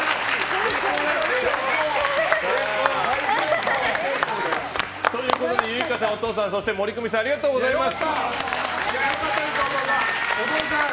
大成功だよ。ということで結奏さん、お父さんそしてモリクミさんありがとうございます。